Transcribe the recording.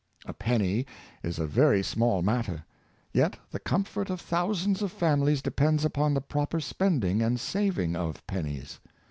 A penny is a very small matter, yet the comfort of thousands of families depends upon the proper spend ing and saving of pennies.